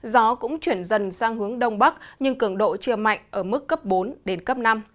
gió cũng chuyển dần sang hướng đông bắc nhưng cường độ chưa mạnh ở mức cấp bốn đến cấp năm